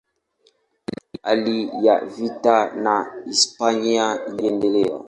Hali ya vita na Hispania iliendelea.